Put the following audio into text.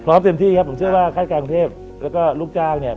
เต็มที่ครับผมเชื่อว่าค่ายการกรุงเทพแล้วก็ลูกจ้างเนี่ย